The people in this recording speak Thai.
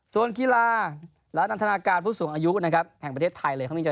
ส่วนกีฬาและนันทนาคารผู้สูงอายุแห่งประเทศไทย